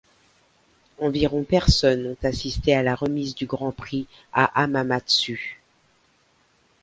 Environ personnes ont assisté à la remise du Grand Prix à Hamamatsu.